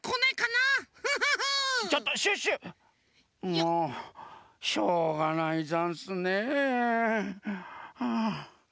もうしょうがないざんすね。はあ。